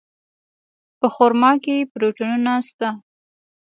په خرما کې پروټینونه شته.